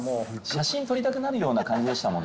写真撮りたくなるような感じでしたもんね。